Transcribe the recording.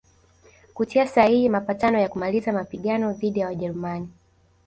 kutia sahihi mapatano ya kumaliza mapigano dhidi ya Wajerumani